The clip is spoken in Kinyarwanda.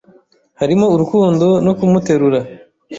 harimo urukundo no kumuterura